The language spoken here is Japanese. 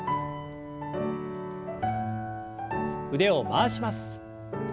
腕を回します。